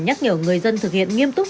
nhắc nhở người dân thực hiện nghiêm túc